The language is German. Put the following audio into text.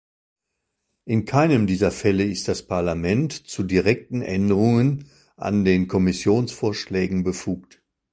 In keinem dieser Fälle ist das Parlament zu direkten Änderungen an den Kommissionsvorschlägen befugt.